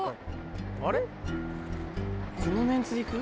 このメンツでいく？